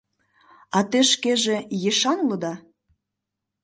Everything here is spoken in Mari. А те шкеже ешан улыда?